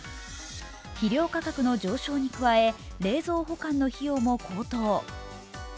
肥料価格の上昇に加え冷蔵保管の費用も高騰。